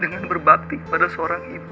dengan berbakti pada seorang ibu